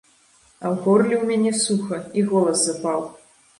А ў горле ў мяне суха, і голас запаў.